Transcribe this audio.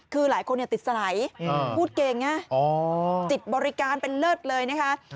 คือหลายคนติดสลายพูดเก่งนะจิตบริการเป็นเลิศเลยนะคะ